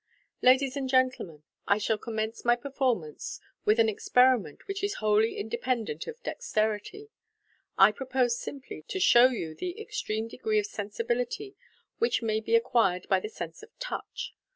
" Ladies and gentlemen, I shall commence my performance wits 504 MODERN MA GIC. an experiment which is wholly independent of dexterity. I propose simply to show you the extreme degree of sensibility which may be acquired by the sense of touch.